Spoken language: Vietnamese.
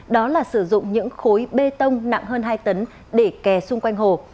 đó là sử dụng những khối bê tông nặng hơn hai tấn để kè xung quanh hồ